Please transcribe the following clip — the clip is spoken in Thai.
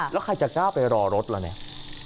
แล้วใครจะกล้าไปรอรถล่ะเนี่ย